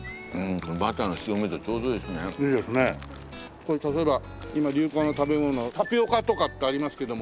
これ例えば今流行の食べ物タピオカとかってありますけども。